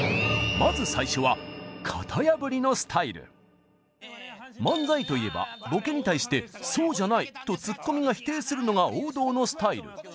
まず最初は漫才といえばボケに対して「そうじゃない」とツッコミが否定するのが王道のスタイル。